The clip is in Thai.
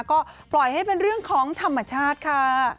ก็ปล่อยให้เป็นเรื่องของธรรมชาติค่ะ